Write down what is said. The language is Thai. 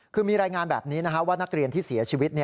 คือมีรายงานแบบนี้ว่านักเรียนที่เสียชีวิต